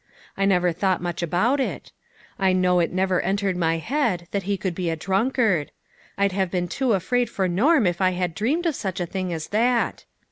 I never thought much about it. I know it never entered my head that he could be a drunkard. I'd have been too afraid for Norm if I had dreamed of such a thing as that.